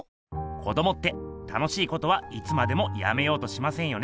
子どもって楽しいことはいつまでもやめようとしませんよね。